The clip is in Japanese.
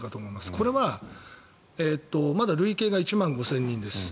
これはまだ累計が１万５０００人です。